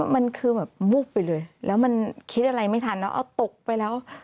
มันคือแบบวูบไปเลยแล้วมันคิดอะไรไม่ทันแล้วเอาตกไปแล้ว